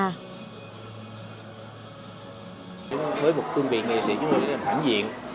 tương vị nghệ sĩ chúng tôi rất là bản diện